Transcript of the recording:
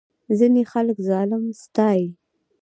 ځینې خلک ظالم ستایي.